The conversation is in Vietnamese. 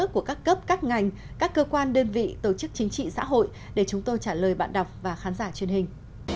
của các cấp các ngành các cơ quan đơn vị tổ chức chính trị xã hội để chúng tôi trả lời bạn đọc và khán giả truyền hình